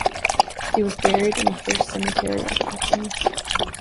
He was buried in First Cemetery of Athens.